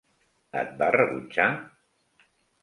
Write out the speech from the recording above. Et va rebutjar?